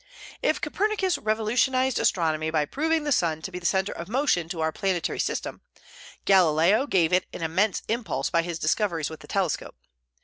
If Copernicus revolutionized astronomy by proving the sun to be the centre of motion to our planetary system, Galileo gave it an immense impulse by his discoveries with the telescope.